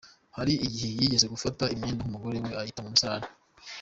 Hari igihe yigeze gufata imyenda y’umugore we ayita mu musarane.